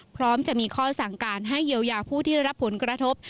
พร้อมจะมีข้อสั่งการให้เยียวยาผู้ที่ได้รับผลกระทบ